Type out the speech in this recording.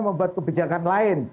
membuat kebijakan lain